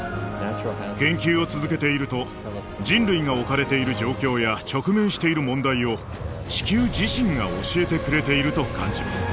研究を続けていると人類が置かれている状況や直面している問題を地球自身が教えてくれていると感じます。